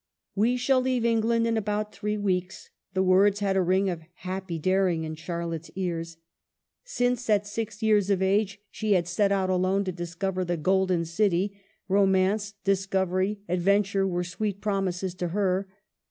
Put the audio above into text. " We shall leave England in about three weeks." The words had a ring of happy dar ing in Charlotte's ears. Since at six years of 102 EMILY BRONTE. age she had set out alone to discover the Golden City, romance, discovery, adventure, were sweet promises to her.